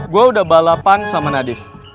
gue udah balapan sama nadie